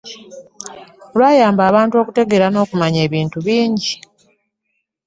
Lwayamba abantu okutegeera n'okumanya ebintu bingi.